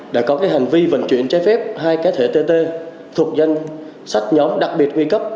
đã có hành vi vận chuyển trái phép hai cá thể tt thuộc danh sách nhóm đặc biệt nguy cấp